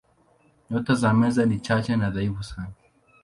Nyota za Meza ni chache na dhaifu sana.